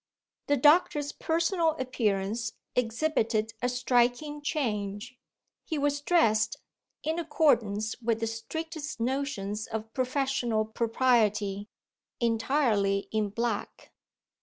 The doctor's personal appearance exhibited a striking change; he was dressed, in accordance with the strictest notions of professional propriety, entirely in black.